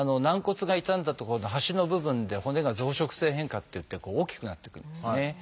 軟骨が傷んだ所の端の部分で骨が「増殖性変化」っていって大きくなってくるんですね。